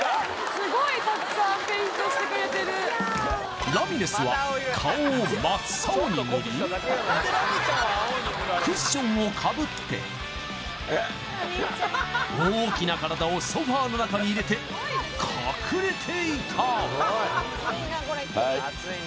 すごいたくさんペイントしてくれてるラミレスはクッションをかぶって大きな体をソファーの中に入れて隠れていたはい